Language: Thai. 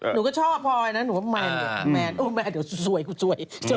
หนูก็ชอบพลอยนะหนูว่าแมนแมนโอ้แมนเดี๋ยวสวยกูสวย